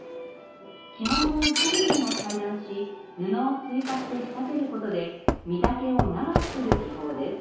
着物の一部分を裁断し布を追加して仕立てる事で身丈を長くする技法です。